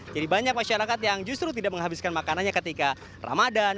jadi banyak masyarakat yang justru tidak menghabiskan makanannya ketika ramadan